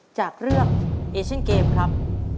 จากเรื่องเอเชียนเกมครับ